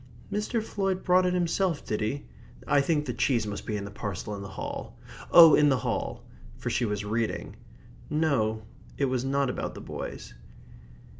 "Mr. Floyd brought it himself, did he? I think the cheese must be in the parcel in the hall oh, in the hall " for she was reading. No, it was not about the boys.